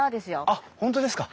あっ本当ですか！